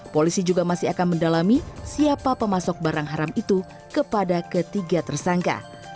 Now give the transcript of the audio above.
polisi juga masih akan mendalami siapa pemasok barang haram itu kepada ketiga tersangka